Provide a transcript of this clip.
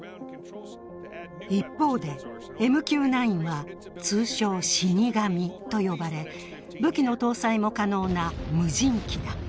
一方で、ＭＱ９は通称・死に神と呼ばれ武器の搭載も可能な無人機だ。